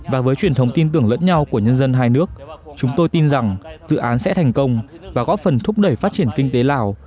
và với truyền thống tin tưởng lẫn nhau của nhân dân hai nước chúng tôi tin rằng dự án sẽ thành công và góp phần thúc đẩy phát triển kinh tế lào